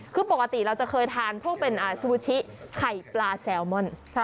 คือปกติเราจะเคยทานพวกเป็นซูบูชิไข่ปลาแซลมอน